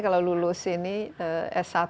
kalau lulus ini s satu